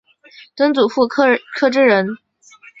曾祖父柯志仁。